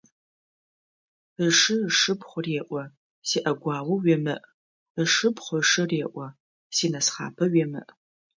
Ышы ышыпхъу реӀо: «СиӀэгуао уемыӀ», ышыпхъу ышы реӀо: «Синысхъапэ уемыӀ».